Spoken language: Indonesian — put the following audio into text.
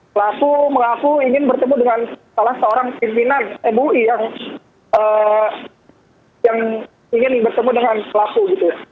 pelaku mengaku ingin bertemu dengan salah seorang pimpinan mui yang ingin bertemu dengan pelaku gitu